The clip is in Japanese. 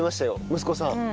息子さん。